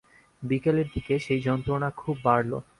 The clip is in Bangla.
বিকেলের দিকে সেই যন্ত্রণা খুব বাড়ল।